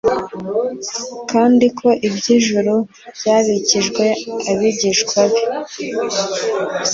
kandi ko iby'ijuru byabikijwe abigishwa be.